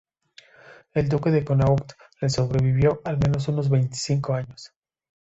El duque de Connaught le sobrevivió al menos unos veinticinco años.